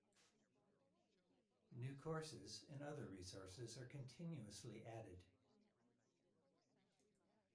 New courses and other resources are continuously added.